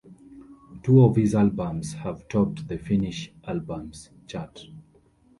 Two of his albums have topped the Finnish albums chart.